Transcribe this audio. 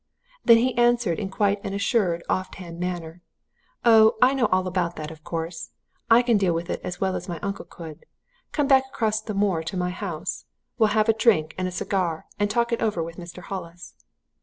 Then he answered in quite an assured, off hand manner, 'Oh, I know all about that, of course! I can deal with it as well as my uncle could. Come back across the moor to my house we'll have a drink, and a cigar, and talk it over with Mr. Hollis.'